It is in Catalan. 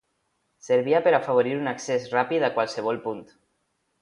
Servia per afavorir un accés ràpid a qualsevol punt.